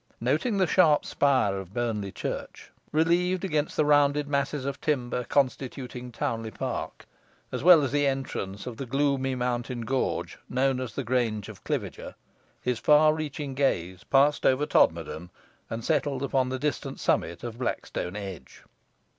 Noting the sharp spire of Burnley Church, relieved against the rounded masses of timber constituting Townley Park; as well as the entrance of the gloomy mountain gorge, known as the Grange of Cliviger; his far reaching gaze passed over Todmorden, and settled upon the distant summits of Blackstone Edge.